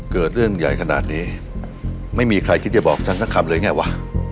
เกิดเรื่องใหญ่ขนาดนี้ไม่มีใครคิดจะบอกฉันสักคำเลยไงวะ